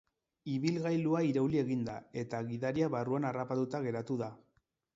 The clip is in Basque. Ibilgailua irauli egin da, eta gidaria barruan harrapatuta geratu da.